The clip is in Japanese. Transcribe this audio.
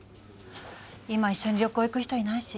今一緒に旅行行く人いないし。